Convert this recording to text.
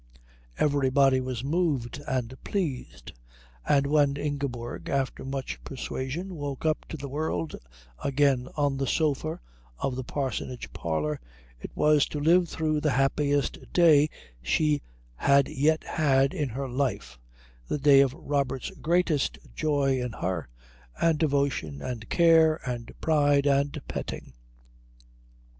Everybody was moved and pleased; and when Ingeborg, after much persuasion, woke up to the world again on the sofa of the parsonage parlour it was to live through the happiest day she had yet had in her life, the day of Robert's greatest joy in her and devotion and care and pride and petting.